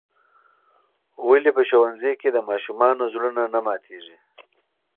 ولې په ښوونځي کې د ماشومانو زړونه نه ماتیږي؟